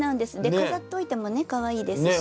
飾っておいてもねかわいいですし。